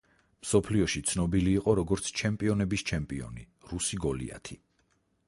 მსოფლიოში ცნობილი იყო როგორც „ჩემპიონების ჩემპიონი“, „რუსი გოლიათი“.